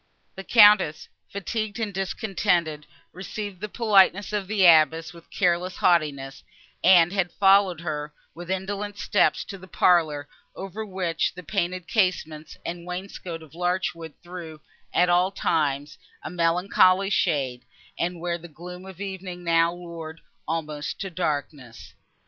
The Countess, fatigued and discontented, received the politeness of the abbess with careless haughtiness, and had followed her, with indolent steps, to the parlour, over which the painted casements and wainscot of larch wood threw, at all times, a melancholy shade, and where the gloom of evening now loured almost to darkness.